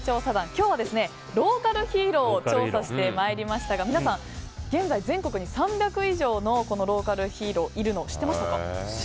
今日は、ローカルヒーローを調査してまいりましたが皆さん現在、全国に３００以上のローカルヒーローがいるの知ってましたか？